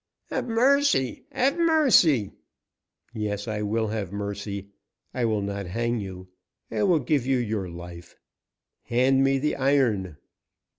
"Have mercy! Have mercy!" "Yes, I will have mercy; I will not hang you. I will give you your life. Hand me the iron!"